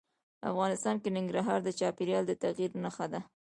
افغانستان کې ننګرهار د چاپېریال د تغیر نښه ده.